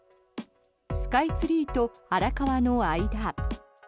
スカイツリーと荒川の間。